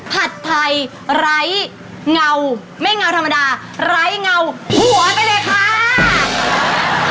ผัดไทยไร้เงาไม่เงาธรรมดาไร้เงาหัวไปเลยค่ะ